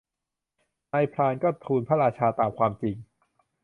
นายพรานก็ทูลพระราชาตามความจริง